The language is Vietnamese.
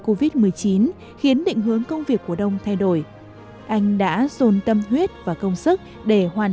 covid một mươi chín khiến định hướng công việc của đông thay đổi anh đã dồn tâm huyết và công sức để hoàn